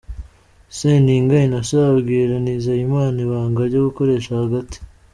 Seninga Innocent abwira Nizeyimana ibanga ryo gukoresha hagati.